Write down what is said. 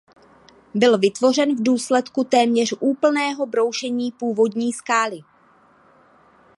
Byl vytvořen v důsledku téměř úplného broušení původní skály.